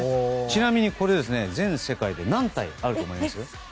ちなみにこれ全世界で何体あると思いますか。